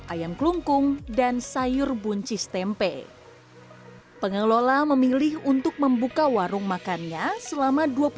ayam kelungkung dan sayur buncis tempe pengelola memilih untuk membuka warung makannya selama